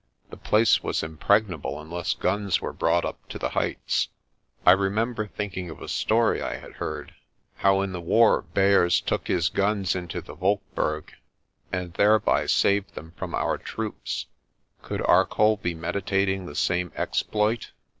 The place was impregnable unless guns were brought up to the heights. I remember thinking of a story I had heard how in the war Beyers took his guns into the Wolkberg and MORNING IN THE BERG 187 thereby saved them from our troops. Could Arcoll be medi tating the same exploit?